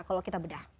kalau kita bedah